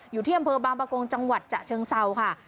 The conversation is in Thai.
อยู่ที่อำเภอบางประกงจังหวัดฉะเชิงเศร้าค่ะ